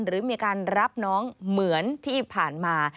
หรือมีการรับน้องเหมือนที่ผ่านมา